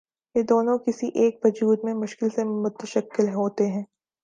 یہ دونوں کسی ایک وجود میں مشکل سے متشکل ہوتے ہیں۔